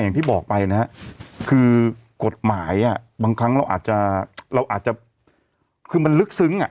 อย่างที่บอกไปนะฮะคือกฎหมายอ่ะบางครั้งเราอาจจะเราอาจจะคือมันลึกซึ้งอ่ะ